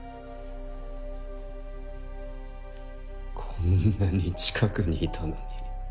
こんなに近くにいたのに。